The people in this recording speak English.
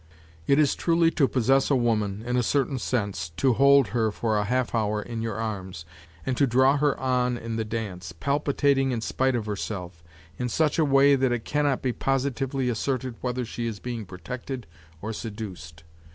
It is truly to possess a woman, in a certain sense, to hold her for a half hour in your arms, and to draw her on in the dance, palpitating in spite of herself, in such a way that it can not be positively asserted whether she is being protected or seduced.